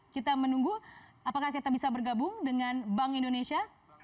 kita menunggu apakah kita bisa bergabung dengan bank indonesia